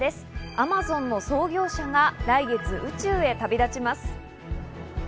アマゾンの創業者が来月、宇宙へ旅立ちます。